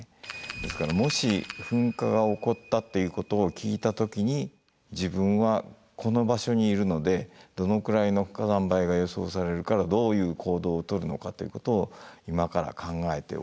ですからもし噴火が起こったっていうことを聞いた時に自分はこの場所にいるのでどのぐらいの火山灰が予想されるからどういう行動をとるのかということを今から考えておく必要がありますね。